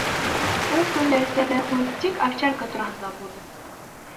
Ул көн дәрестәрҙә һүҙ тик овчарка тураһында булды.